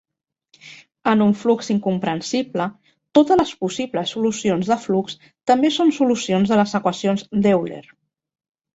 En un flux incomprensible, totes les possibles solucions de flux també són solucions de les equacions d'Euler.